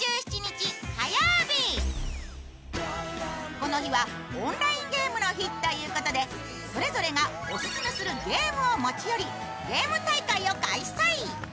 この日はオンラインゲームの日ということでぞれぞれがオススメするゲームを持ち寄りゲーム大会を開催。